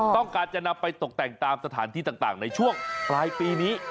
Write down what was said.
ต้องการจะนำไปตกแต่งตามสถานที่ต่างในช่วงปลายปีนี้